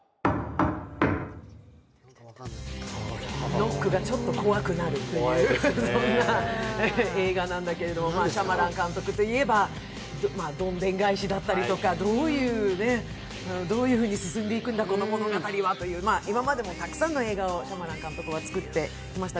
ノックがちょっと怖くなるという映画なんだけども、シャマラン監督といえばどんでん返しだったりとか、どういうふうに進んでいくんだ、この物語はって今までもたくさんの映画をシャマラン監督は作ってきました。